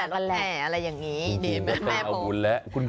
ก็แต่งานบุญแต่ลดแหนี่